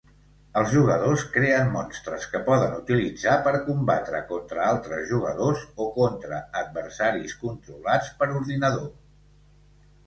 Els jugadors creen monstres que poden utilitzar per combatre contra altres jugadors o contra adversaris controlats per ordinador.